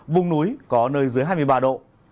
vùng núi có nơi dưới hai mươi ba độ